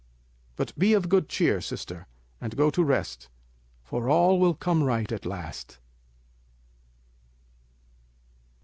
But be of good cheer, sister, and go to rest, for all will come right at last."